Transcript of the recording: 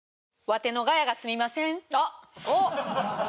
「ワテのガヤがすみません！」？